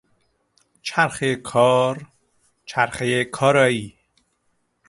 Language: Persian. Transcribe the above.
چرخهی کار، چرخهی کارایی